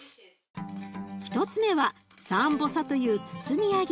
１つ目はサンボサという包み揚げ。